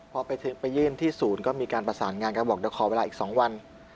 พอไปยื่นที่ศูนย์ก็มีการประสานงานกันบอกเดี๋ยวขอเวลาอีก๒วัน